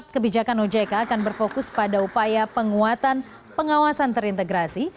kebijakan ojk akan berfokus pada upaya penguatan pengawasan terintegrasi